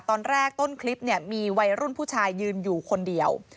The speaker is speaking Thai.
ตอนแรกต้นคลิปเนี่ยมีวัยรุ่นผู้ชายยืนอยู่คนเดียว